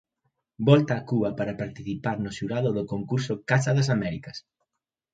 Volta a Cuba para participar no xurado do concurso Casa das Américas.